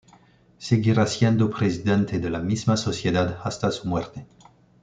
Seguirá siendo presidente de la misma sociedad hasta su muerte.